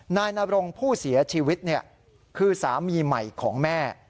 นายนรงผู้เสียชีวิตคือสามีใหม่ของแม่